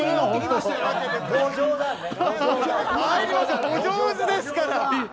お上手ですから。